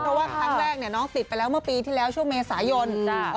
เพราะว่าครั้งแรกเนี่ยน้องติดไปแล้วเมื่อปีที่แล้วช่วงเมษายน